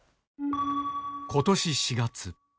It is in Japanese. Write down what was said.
ことし４月。